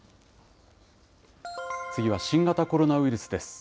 次は新型コロナウイルスです。